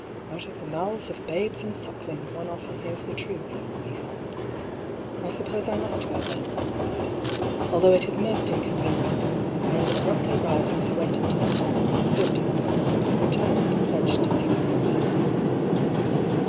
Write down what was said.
" Out of the mouths of babes and sucklings one often hears the truth," he thought. " I suppose I must go, then," he said, " although it is most inconvenient," and abruptly rising he went into 300 I>R. PAULL'S THEORY. the hall, spoke to the man, and returned pledged to see the princess.